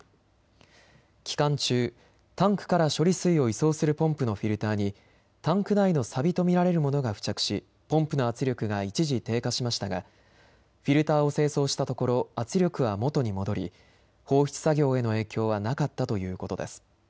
期間中、タンクから処理水を移送するポンプのフィルターにタンク内のさびと見られるものが付着しポンプの圧力が一時、低下しましたがフィルターを清掃したところ圧力はもとに戻り放出作業への影響はなかったということです。